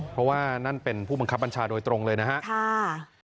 เพราะว่านั่นเป็นผู้บังคับบัญชาโดยตรงเลยนะครับ